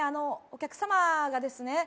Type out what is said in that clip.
お客様がですね